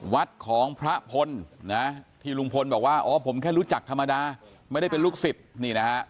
วัดของพระพลนะที่ลุงพลบอกว่าอ๋อผมแค่รู้จักธรรมดาไม่ได้เป็นลูกศิษย์นี่นะฮะ